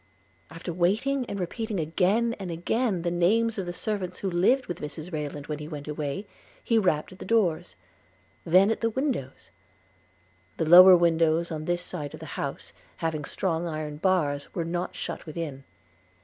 After waiting and repeating again and again the names of the servants who lived with Mrs Rayland when he went away, he rapped at the doors, then at the windows: the lower windows on this side of the house, having strong iron bars, were not shut within.